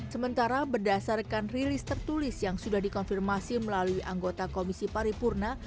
sementara berdasarkan rilis tertulis yang sudah dikonfirmasi melalui anggota komisi paripurna